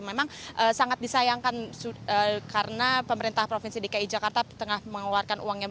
memang sangat disayangkan karena pemerintah provinsi dki jakarta tengah mengeluarkan uang yang